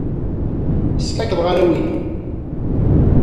Skakkḍeɣ arraw-inu.